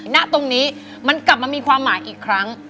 ณตรงนี้มันกลับมามีความหมายอีกครั้ง